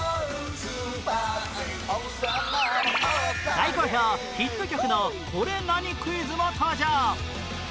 大好評ヒット曲のこれ何クイズも登場